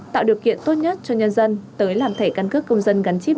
tạo điều kiện tốt nhất cho nhân dân tới làm thẻ căn cước công dân gắn chip